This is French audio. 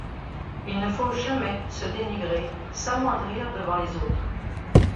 Il ne faut jamais se dénigrer, s'amoindrir devant les autres.